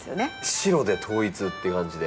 白で統一っていう感じで。